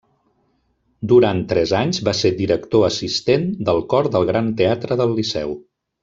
Durant tres anys va ser director assistent del Cor del Gran Teatre del Liceu.